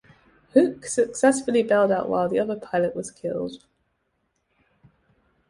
Houck successfully bailed out while the other pilot was killed.